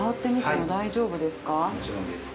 ◆もちろんです。